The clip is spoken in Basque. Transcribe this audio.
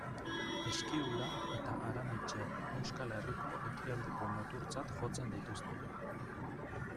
Eskiula eta Aramitse, Euskal Herriko ekialdeko muturtzat jotzen dituzte.